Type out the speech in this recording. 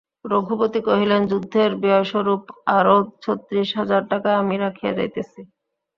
রঘুপতি কহিলেন, যুদ্ধের ব্যয়স্বরূপ আরও ছত্রিশ হাজার টাকা আমি রাখিয়া যাইতেছি।